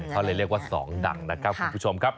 เขาเลยเรียกว่า๒ดังนะครับคุณผู้ชมครับ